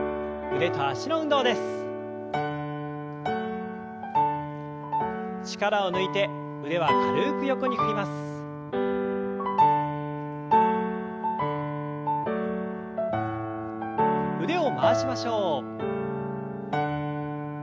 腕を回しましょう。